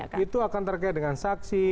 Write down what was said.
itu akan terkait dengan saksi